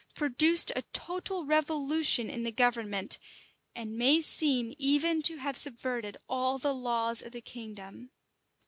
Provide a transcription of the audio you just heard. produced a total revolution in the government, and may seem even to have subverted all the laws of the kingdom.